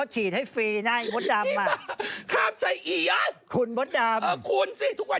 นี่เธอพูดไปอะไม่ได้ทำ